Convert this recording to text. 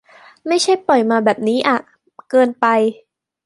ไม่ใช่ปล่อยมาแบบนี้อะ เกินไป